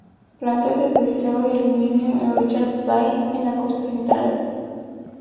Plantas de procesado de aluminio en Richards Bay, en la costa central.